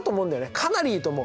かなりいいと思う。